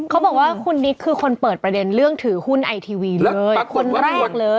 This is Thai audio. เขาบอกว่าคุณนิดคือคนเปิดประเด็นเรื่องถือหุ้นไอทีวีเลยคนแรกเลย